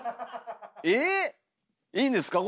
え⁉いいんですか？